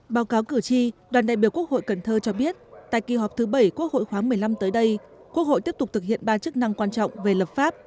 báo cáo cử tri đoàn đại biểu quốc hội cần thơ cho biết tại kỳ họp thứ bảy quốc hội khoáng một mươi năm tới đây quốc hội tiếp tục thực hiện ba chức năng quan trọng về lập pháp